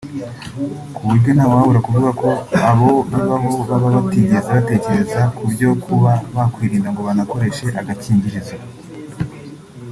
kuburyo ntawabura kuvuga ko abo bibaho baba batigeze batekereza ku byo kuba bakwirinda ngo banakoreshe agakingirizo